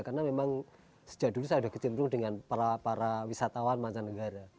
karena memang sejak dulu saya sudah kecenderung dengan para wisatawan mancanegara